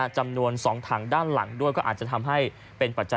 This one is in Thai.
จำนวน๒ถังด้านหลังด้วยก็อาจจะทำให้เป็นปัจจัย